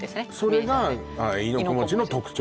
それが亥の子餅の特徴？